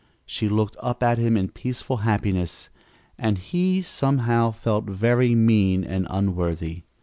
She looked up at him in peaceful happiness and he somehow felt very mean and unworthy.